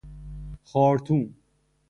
خارطوم